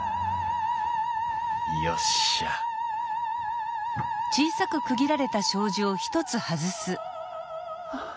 よっしゃあ